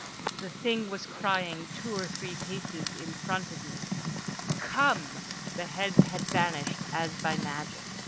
… The thing was crying two or three paces in front of me: "Come!" The heads had vanished as by magic.